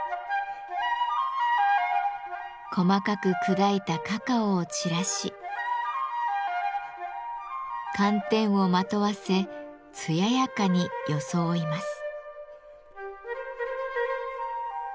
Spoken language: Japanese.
細かく砕いたカカオを散らし寒天をまとわせ艶やかに装います。